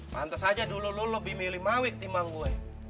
pantes aja dulu lu lebih milih mawek di emang gue